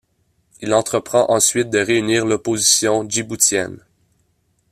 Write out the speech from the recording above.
Il entreprend ensuite de réunir l'opposition djiboutienne.